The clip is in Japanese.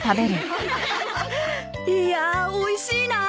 いやおいしいな。